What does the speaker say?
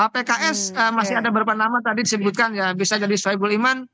pks masih ada beberapa nama tadi disebutkan ya bisa jadi soebul iman